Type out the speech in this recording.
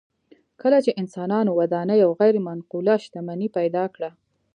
کله چې انسانانو ودانۍ او غیر منقوله شتمني پیدا کړه